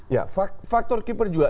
ya faktor keeper juga